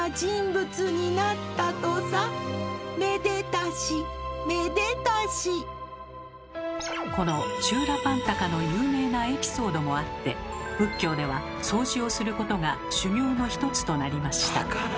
めでたしめでたしこのチューラパンタカの有名なエピソードもあって仏教では掃除をすることが修行の一つとなりました。